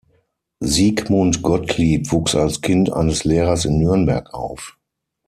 Sigmund Gottlieb wuchs als Kind eines Lehrers in Nürnberg auf.